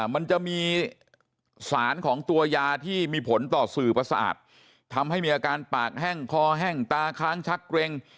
มันจะมีสารของตัวยาที่มีผลต่อสื่อประสาททำให้มีอาการปากแห้งคอแห้งตาค้างชักเกร็ง